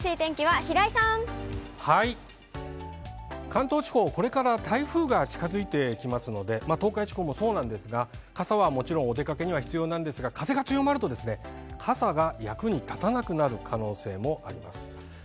関東地方、これから台風が近づいてきますので、東海地方もそうなんですが、傘はもちろん、お出かけには必要なんですが、風が強まると、傘が役に立たなくなる可能性もあります。